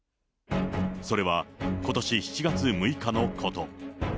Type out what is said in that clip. それはことし７月６日のこと。